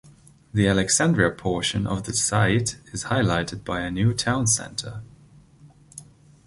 The Alexandria portion of the site is highlighted by a new Town Center.